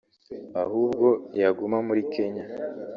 ahubwo yaguma muri Kenya”